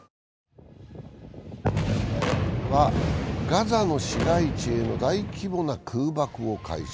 ガザの市街地への大規模な空爆を開始。